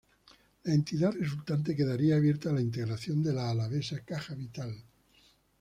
La entidad resultante quedaría abierta a la integración de la alavesa Caja Vital.